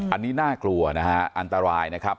อันนี้น่ากลัวนะฮะอันตรายนะครับ